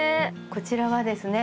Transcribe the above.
こちらはですね